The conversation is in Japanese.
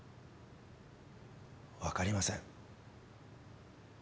分かりません。